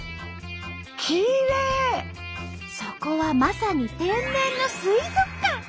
そこはまさに天然の水族館。